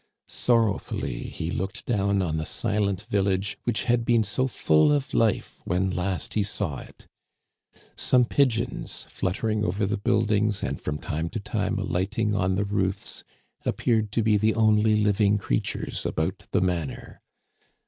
Sorrowfully he looked down on the silent Digitized by VjOOQIC THE BURXING OF THE SOUTH SHORE, 173 village which had been so full of life when last he saw it. Some pigeons fluttering over the buildings and from time to time alighting on the roofs appeared to be the only living creatures about the manor.